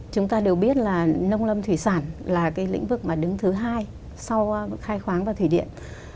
chúng ta đều biết là nông lâm thủy sản là cái lĩnh vực mà đứng thứ hai sau khai khoáng và thủy điện